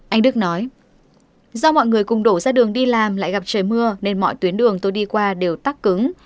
anh đức nói do mọi người cùng đổ ra đường đi làm lại gặp trời mưa nên mọi tuyến đường tôi đi qua đều tắt cứng